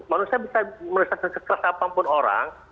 manusia bisa menyesatkan sekelas apapun orang